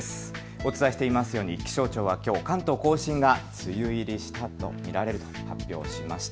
お伝えしていますように気象庁はきょう、関東甲信が梅雨入りしたと見られると発表しました。